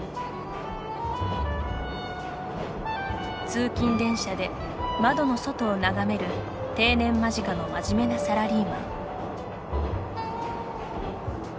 通勤電車で窓の外を眺める定年間近の真面目なサラリーマン。